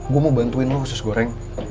gue mau bantuin lo sus goreng